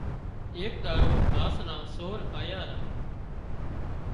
ايڪ ۮاڙو هاس نا سور آيا را